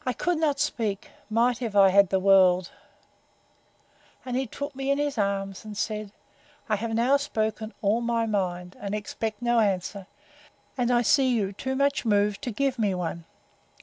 I could not speak, might I have had the world; and he took me in his arms, and said, I have now spoken all my mind, and expect no answer; and I see you too much moved to give me one.